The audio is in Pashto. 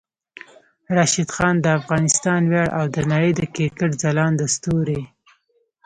راشد خان د افغانستان ویاړ او د نړۍ د کرکټ ځلانده ستوری